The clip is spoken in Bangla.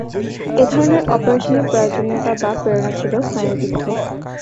এ ধরনের অপারেশনের প্রয়োজনীয়তা বা প্রেরণা ছিল স্নায়ুযুদ্ধ।